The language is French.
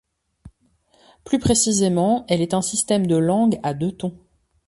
Plus précisément, elle est un système de langue à deux tons.